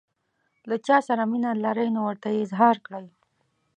له چا سره مینه لرئ نو ورته یې اظهار کړئ.